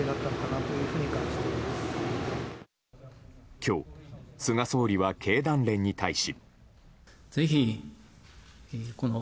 今日、菅総理は経団連に対し。